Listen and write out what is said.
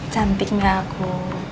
cantik gak aku